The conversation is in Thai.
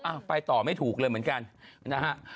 ไปต่อไม่ถูกเลยเหมือนกันนะฮะ